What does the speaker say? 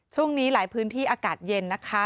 ช่วงนี้หลายพื้นที่อากาศเย็นนะคะ